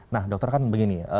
nah dokter kan begini